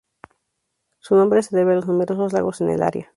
Su nombre se debe a los numerosos lagos en el área.